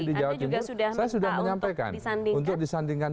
anda juga sudah minta untuk disandingkan